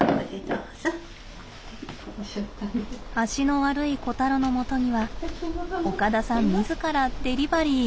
脚の悪いコタロのもとには岡田さん自らデリバリー。